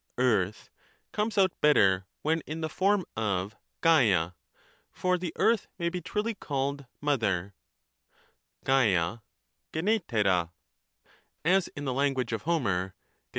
(earth) comes out better when in the form of yam, for the earth may be truly called ' mother ' {yala, yEvvqrecpa), as in the language of Homer (Od.